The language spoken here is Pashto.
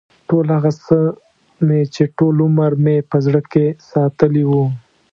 ټول هغه څه مې چې ټول عمر مې په زړه کې ساتلي و.